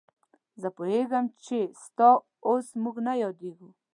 زه پوهېږم چې ستا اوس موږ نه یادېږو.